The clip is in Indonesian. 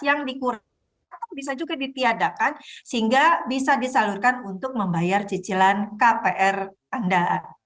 yang dikurangi atau bisa juga ditiadakan sehingga bisa disalurkan untuk membayar cicilan kpr anda